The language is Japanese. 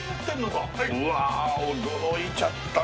うわあ驚いちゃったな。